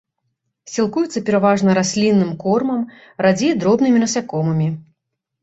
Сілкуецца пераважна раслінным кормам, радзей дробнымі насякомымі.